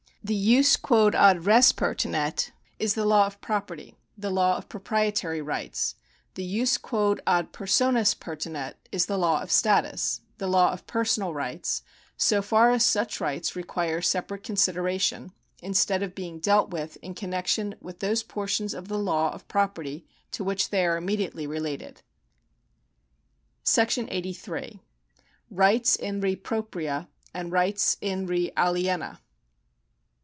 The jus quod ad res 'pertinet is the law of property, the law of proprietary rights ; the jus quod ad personas pertinet is the law of status, the law of personal rights, so far as such rights require separate consideration, instead of being dealt with in connexion with those portions of the law of property to which they are im mediately related. ^§ 83. Rights in re propria and Rights in re aliena.